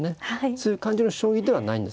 そういう感じの将棋ではないんですよ。